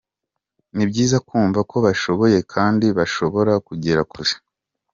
Ni byiza kumva ko bashoboye kandi bashobora kugera kure.